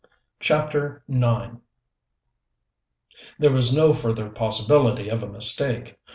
CHAPTER IX There was no further possibility of a mistake.